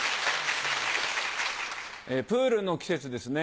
プールの季節ですね。